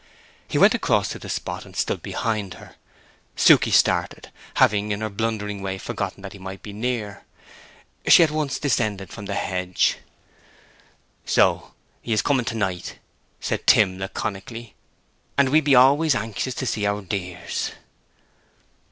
He went across to the spot and stood behind her. Suke started, having in her blundering way forgotten that he might be near. She at once descended from the hedge. "So he's coming to night," said Tim, laconically. "And we be always anxious to see our dears."